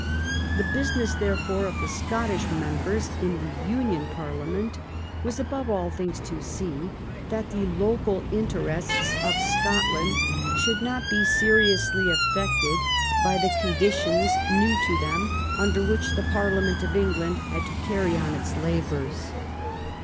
The business, therefore, of the Scottish members in the Union Parliament was, above all things, to see that the local interests of Scot land should not be injuriously affected by the condi 267 THE REIGN OF QUEEN ANNE tions new to them, under which the Parliament of Eng land had to carry on its labors.